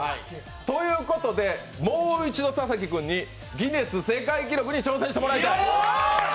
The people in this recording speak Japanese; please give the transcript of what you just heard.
ということでもう一度田崎くんにギネス世界記録に挑戦してもらいたい。